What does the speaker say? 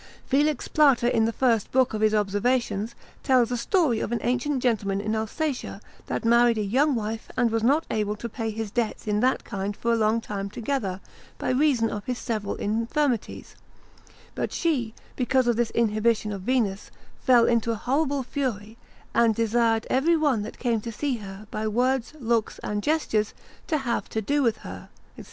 Felix Plater in the first book of his Observations, tells a story of an ancient gentleman in Alsatia, that married a young wife, and was not able to pay his debts in that kind for a long time together, by reason of his several infirmities: but she, because of this inhibition of Venus, fell into a horrible fury, and desired every one that came to see her, by words, looks, and gestures, to have to do with her, &c.